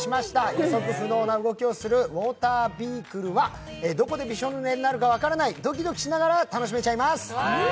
予測不能な動きをするウォータービークルは、どこでびしょ濡れになるか分からないドキドキしながら楽しめちゃいます。